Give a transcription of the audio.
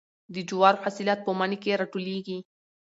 د جوارو حاصلات په مني کې راټولیږي.